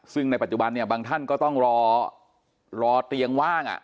ซึ่งในปัจจุบันเนี่ยบางท่านก็ต้องรอเตียงว่าง